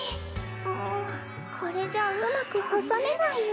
・もうこれじゃうまく挟めないよ。